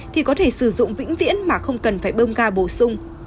thì có thể sử dụng vĩnh viễn mà không cần phải bơm ga bổ sung